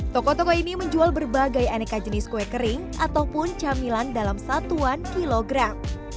toko toko ini menjual berbagai aneka jenis kue kering ataupun camilan dalam satuan kilogram